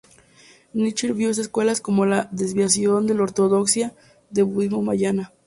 Nichiren vio estas escuelas como la desviación de la ortodoxia del budismo mahayana.